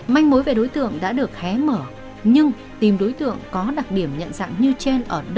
manh mối về đối tượng đã được hé mở nhưng tìm đối tượng có đặc điểm nhận dạng như trên